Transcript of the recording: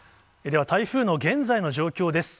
では、台風の現在の状況です。